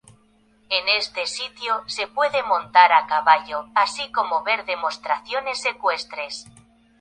En este sitio, se puede montar a caballo, así como ver demostraciones ecuestres.